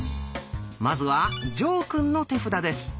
まずは呈くんの手札です。